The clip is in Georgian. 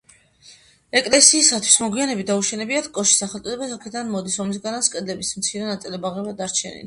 ეკლესიისათვის მოგვიანებით დაუშენებიათ კოშკი სახელწოდებაც აქედან მოდის, რომლისგანაც კედლების მცირე ნაწილებიღაა დარჩენილი.